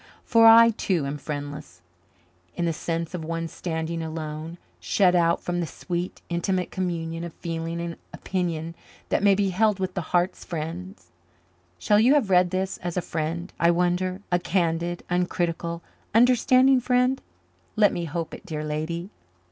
For I too am friendless, in the sense of one standing alone, shut out from the sweet, intimate communion of feeling and opinion that may be held with the heart's friends. Shall you have read this as a friend, I wonder a candid, uncritical, understanding friend? Let me hope it, dear lady."